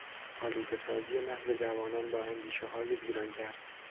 آلودهسازی مغز جوانان با اندیشههای ویرانگر